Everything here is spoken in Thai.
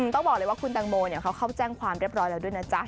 ต้องบอกเลยว่าคุณแตงโมเขาเข้าแจ้งความเรียบร้อยแล้วด้วยนะจ๊ะ